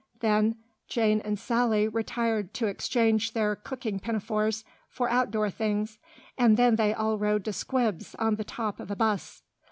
Then Jane and Sally retired to exchange their cooking pinafores for out door things, and then they all rode to "Squibs" on the top of a bus.